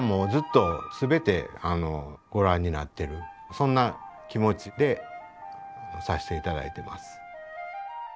そんな気持ちでさせていただいてます。